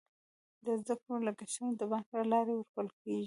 د زده کړې لګښتونه د بانک له لارې ورکول کیږي.